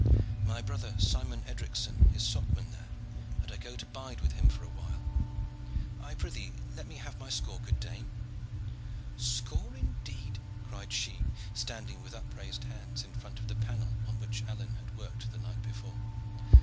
"My brother Simon Edricson is socman there, and I go to bide with him for a while. I prythee, let me have my score, good dame." "Score, indeed!" cried she, standing with upraised hands in front of the panel on which Alleyne had worked the night before.